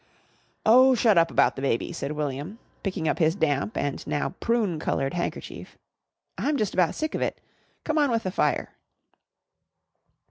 "Oh, shut up about the baby," said William picking up his damp and now prune coloured handkerchief. "I'm just about sick of it. Come on with the fire."